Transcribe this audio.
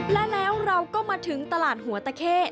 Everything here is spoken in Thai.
และแล้วเราก็มาถึงตลาดหัวตะเข้